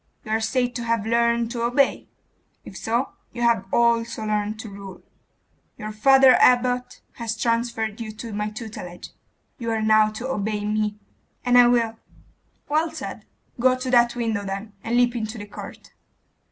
You are said to have learned to obey. If so you have also learned to rule. Your father abbot has transferred you to my tutelage. You are now to obey me.' 'And I will.' 'Well said. Go to that window, then, and leap into the court.